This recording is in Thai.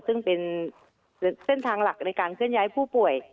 ซึ่งเป็นเส้นทางหลักในการเคลื่อนย้ายผู้ป่วย